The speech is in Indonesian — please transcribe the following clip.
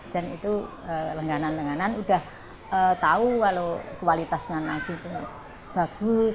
dan itu lenganan lenganan udah tahu kalau kualitasnya nanti tuh bagus